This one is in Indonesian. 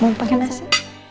mau pake nasi